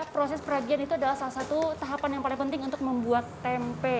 proses peragian itu adalah salah satu tahapan yang paling penting untuk membuat tempe